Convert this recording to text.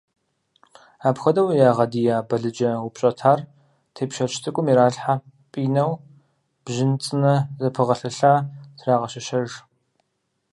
Апхуэдэу ягъэдия балыджэ упщӏэтар тепщэч цӏыкӏум иралъхьэ пӏинэу, бжьын цӏынэ зэпыгъэлъэлъа трагъэщэщэж.